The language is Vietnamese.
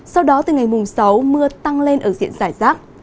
sau đó từ ngày mùng sáu mưa tăng lên ở diện giải rác